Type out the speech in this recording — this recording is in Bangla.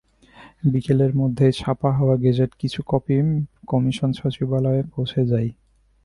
বিকেলের মধ্যেই ছাপা হওয়া গেজেটের কিছু কপি কমিশন সচিবালয়ে পৌঁছে যায়।